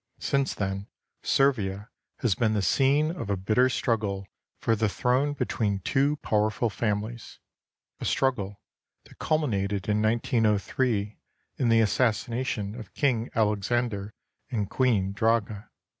Since then Servia has been the scene of a bitter strug gle for the throne between two powerful families, a struggle that culminated in 1903 in the assassination of King Alex ander and Queen Draga.